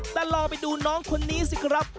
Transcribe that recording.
แต่ลองไปดูน้องคนนี้สิครับ